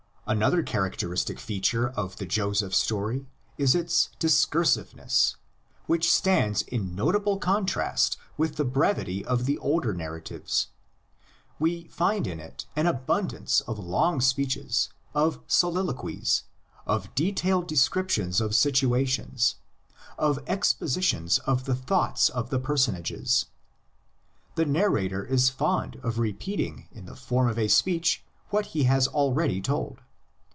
Another characteristic feature of the Joseph story is its discursiveness, which stands in notable con trast with the brevity of the older narratives. We find in it an abundance of long speeches, of solilo quies, of detailed descriptions of situations, of expositions of the thoughts of the personages. The narrator is fond of repeating in the form of a speech what he has already told.